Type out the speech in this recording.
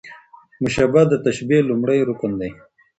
مشبه د تشبېه لومړی رکن دﺉ.